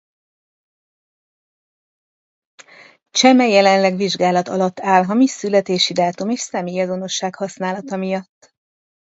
Cheme jelenleg vizsgálat alatt áll hamis születési dátum és személyazonosság használata miatt.